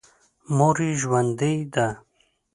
مور یې ژوندۍ ده.